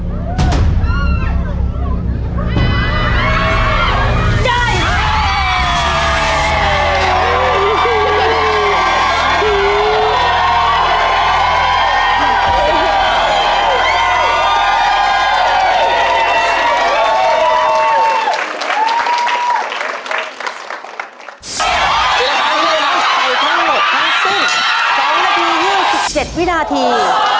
ทั้งหมดครั้งซึ้ง๒นาที๒๗วินาที